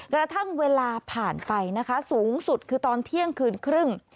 กระทั่งเวลาผ่านไปนะคะสูงสุดคือตอนเที่ยงคืนครึ่ง